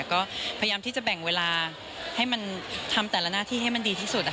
ก็พยายามที่จะแบ่งเวลาให้มันทำแต่ละหน้าที่ให้มันดีที่สุด